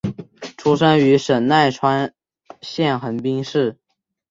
出身于神奈川县横滨市。